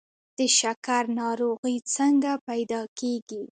د شکر ناروغي څنګه پیدا کیږي؟